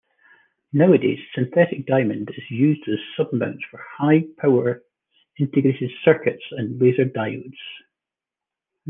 Nowadays synthetic diamond is used as submounts for high-power integrated circuits and laser diodes.